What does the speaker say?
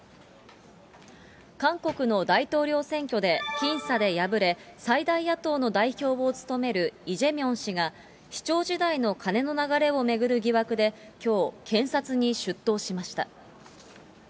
韓国の大統領選挙で僅差で敗れ、最大野党の代表を務めるイ・ジェミョン氏が、市長時代の金の流れを巡る疑惑できょう、検察に出頭しました。